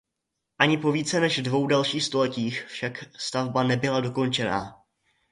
Ani po více než dvou dalších stoletích však stavba nebyla dokončená.